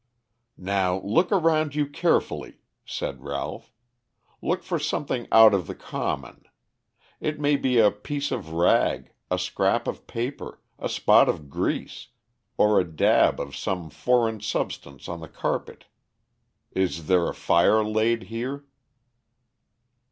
"Now look round you carefully," said Ralph. "Look for something out of the common. It may be a piece of rag, a scrap of paper, a spot of grease, or a dab of some foreign substance on the carpet. Is there a fire laid here?"